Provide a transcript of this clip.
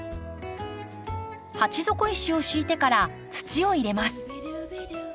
鉢底石を敷いてから土を入れます。